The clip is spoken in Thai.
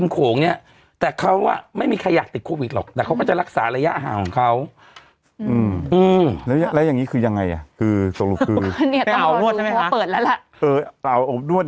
ก็เพราะไปเที่ยวผู้หญิงนี่แหละ